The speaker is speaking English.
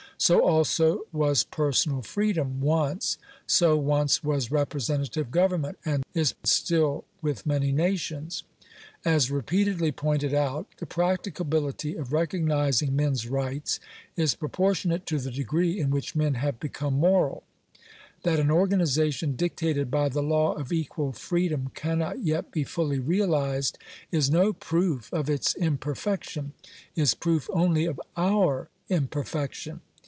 So, also,* was personal freedom once. So once was representative* go* vernment, and is. still with many nations. As repeatedly pointed out, the practicability of recognising men's rights is proportionate to the degree in which men have become moraL That, an organisation dictated by the law of equal freedom cannot yet be fully realized is no proof of it* imperfection : i* proof only of our imperfection.